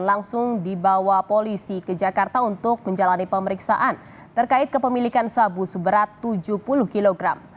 langsung dibawa polisi ke jakarta untuk menjalani pemeriksaan terkait kepemilikan sabu seberat tujuh puluh kg